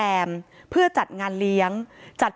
เป็นวันที่๑๕ธนวาคมแต่คุณผู้ชมค่ะกลายเป็นวันที่๑๕ธนวาคม